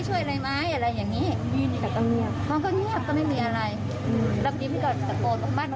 ด้วยก็เลยเอามากันหรือที่มีดูก็ได้กันรอปภก็มาด้วยก็ช่วย